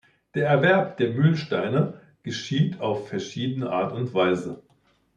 Der Erwerb der "Mühlsteine" geschieht auf verschiedene Art und Weise.